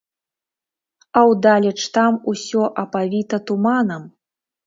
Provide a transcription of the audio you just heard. А ўдалеч там усё апавіта туманам.